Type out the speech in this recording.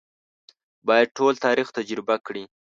باید ټول تاریخ تجربه کړي.